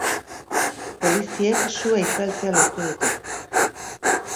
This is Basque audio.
Poliziek sua itzaltzea lortu dute.